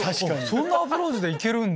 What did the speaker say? そんなアプローチでいけるんだ。